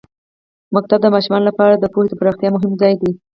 ښوونځی د ماشومانو لپاره د پوهې د پراختیا مهم ځای دی.